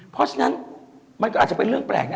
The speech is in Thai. เพราะฉะนั้นมันก็อาจจะเป็นเรื่องแปลกนะ